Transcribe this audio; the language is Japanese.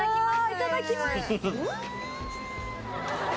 いただきます。